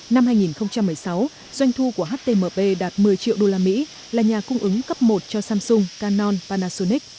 năm hai nghìn một mươi sáu doanh thu của htmp đạt một mươi triệu đô la mỹ là nhà cung ứng cấp một cho samsung canon panasonic